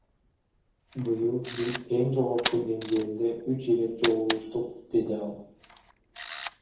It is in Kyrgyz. Быйыл биз эң жогорку деңгээлде үч ирет жолугуштук, — деди ал.